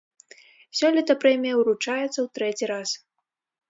Сёлета прэмія ўручаецца ў трэці раз.